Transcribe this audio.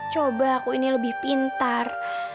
coba aku ini lebih pintar